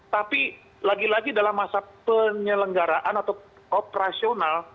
tapi lagi lagi dalam masa penyelenggaraan atau operasional